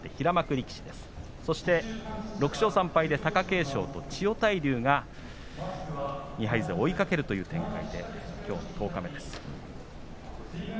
６勝３敗勢貴景勝と千代大龍は２敗勢を追いかける展開できょう十日目です。